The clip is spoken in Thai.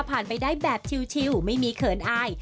ไปได้แบบชิลไม่มีเขินอาย